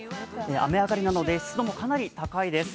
雨上がりなので湿度もかなり高いです。